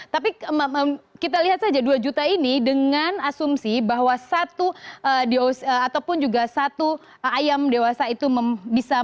tapi kita lihat saja dua juta ini dengan asumsi bahwa satu ayam dewasa itu bisa masalah